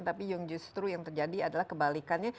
tapi yang justru yang terjadi adalah kebalikannya